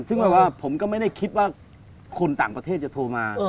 ซึ่งแบบว่าผมก็ไม่ได้คิดว่าคนต่างประเทศจะโทรมา